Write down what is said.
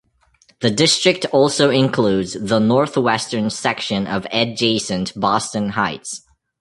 The district also includes the northwestern section of adjacent Boston Heights.